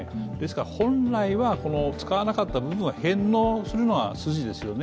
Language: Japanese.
本来は使わなかった部分は返納するのが筋ですよね。